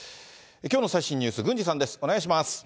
きょうの最新ニュース、郡司さんです。